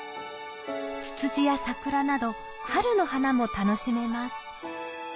ツツジや桜など春の花も楽しめます